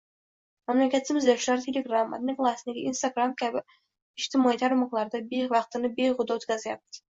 Mamlakatimiz yoshlari “Telegram”, “Odnoklassniki”, “Instagram” kabi ijtimoiy tarmoqlarda vaqtini behuda o’tkazayapti.